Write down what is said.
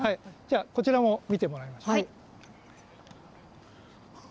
こちらも見てもらいます。